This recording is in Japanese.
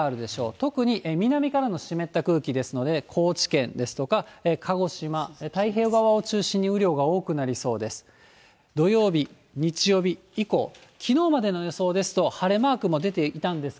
特に、南からの湿った空気ですので、高知県ですとか、鹿児島、太平洋側を中心に雨量が多くなりそうです。